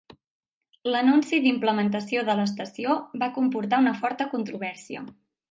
L'anunci d'implementació de l'estació va comportar una forta controvèrsia.